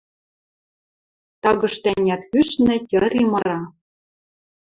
Тагышты-ӓнят кӱшнӹ тьыри мыра.